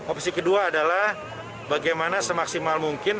opsi kedua adalah bagaimana semaksimal mungkin